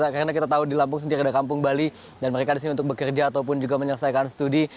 karena kita tahu di lampung sendiri ada kampung bali dan mereka di sini untuk bekerja ataupun juga menyelesaikan studi